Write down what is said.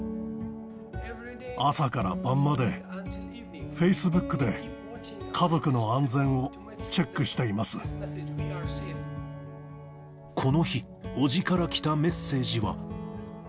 朝から晩までフェイスブックで家族の安全をチェックしていまこの日、おじから来たメッセージは。